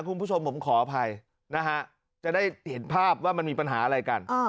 คุณผู้ชมผมขออภัยนะฮะจะได้เห็นภาพว่ามันมีปัญหาอะไรกัน